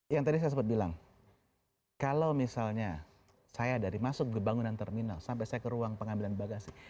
yang tadi saya sempat bilang kalau misalnya saya dari masuk ke bangunan terminal sampai saya ke ruang pengambilan bagasi